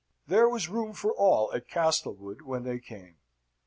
There was room for all at Castlewood when they came.